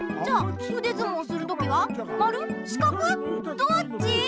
どっち⁉